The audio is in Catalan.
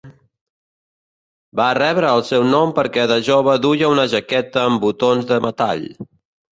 Va rebre el seu nom perquè de jove duia una jaqueta amb botons de metall.